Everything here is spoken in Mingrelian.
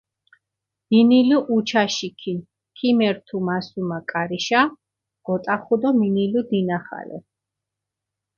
დინილუ უჩაშიქინ, ქიმერთუ მასუმა კარიშა, გოტახუ დო მინილუ დინახალე.